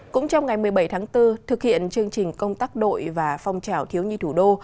cũng trong ngày một mươi bảy tháng bốn thực hiện chương trình công tác đội và phong trào thiếu nhi thủ đô